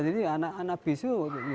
jadi anak anak bisu